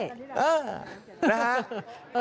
ใช่